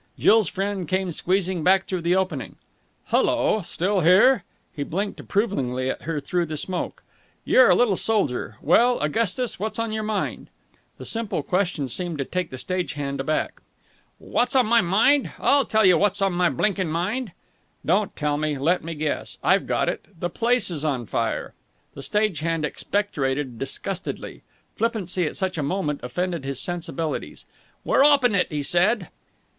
Jill's friend came squeezing back through the opening. "Hullo! Still here?" He blinked approvingly at her through the smoke. "You're a little soldier! Well, Augustus, what's on your mind?" The simple question seemed to take the stage hand aback. "Wot's on my mind? I'll tell you wot's on my blinking mind...." "Don't tell me. Let me guess. I've got it! The place is on fire!" The stage hand expectorated disgustedly. Flippancy at such a moment offended his sensibilities. "We're 'opping it," he said.